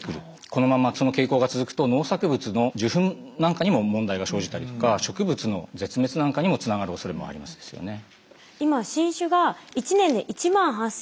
このままその傾向が続くと農作物の受粉なんかにも問題が生じたりとか植物の絶滅なんかにもつながるおそれもありますよね。